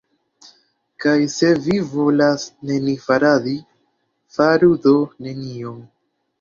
Kaj se vi volas nenifaradi, faru do nenion.